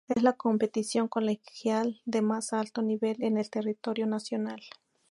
Es la competición colegial de más alto nivel en el territorio nacional.